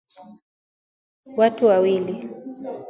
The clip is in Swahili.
watu wawili